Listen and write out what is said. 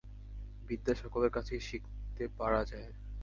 বিদ্যা সকলের কাছেই শিখতে পারা যায়।